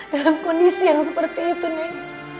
dalam kondisi yang seperti itu neng